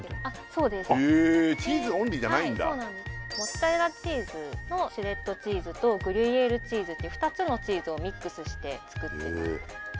そうですへえチーズオンリーじゃないんだモッツァレラチーズのシュレッドチーズとグリュイエールチーズっていう２つのチーズをミックスして作ってます